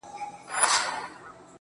دا خو صرف تجارت شو